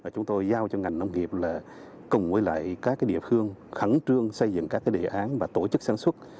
chúng tôi giao cho ngành nông nghiệp là cùng với các địa phương khẩn trương xây dựng các đề án và tổ chức sản xuất